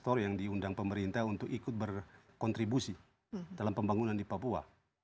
kantor yang diundang pemerintah untuk ikut berkontribusi dalam pembangunan di papua